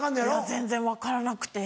全然分からなくて。